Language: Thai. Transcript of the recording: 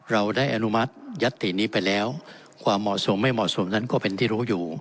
เราได้อนุมัติยัตตินี้ไปแล้วความเหมาะสมไม่เหมาะสมนั้นก็เป็นที่รู้อยู่